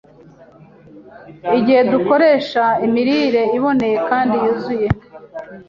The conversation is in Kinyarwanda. igihe dukoresha imirire iboneye kandi yuzuye